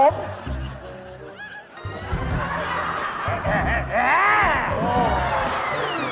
ผม